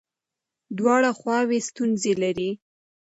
دواړه خواوې ستونزې لري.